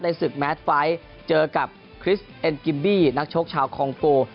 ศึกแมทไฟล์เจอกับคริสเอ็นกิมบี้นักชกชาวคองโก